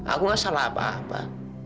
aku gak salah apa apa